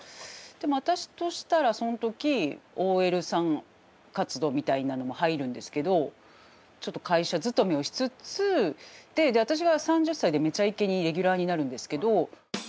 でも私としたらその時ＯＬさん活動みたいなのも入るんですけどちょっと会社勤めをしつつで私は３０歳で「めちゃイケ」にレギュラーになるんですけど。